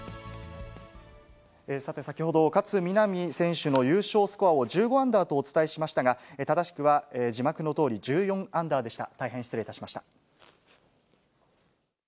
さて、先ほど、勝みなみ選手の優勝スコアを１５アンダーとお伝えしましたが、正しくは字幕のとおり、１４アンダーでした。